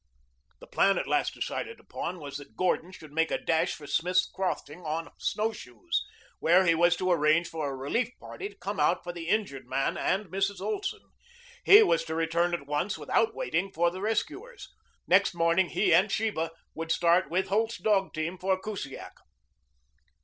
The plan at last decided upon was that Gordon should make a dash for Smith's Crossing on snowshoes, where he was to arrange for a relief party to come out for the injured man and Mrs. Olson. He was to return at once without waiting for the rescuers. Next morning he and Sheba would start with Holt's dog team for Kusiak.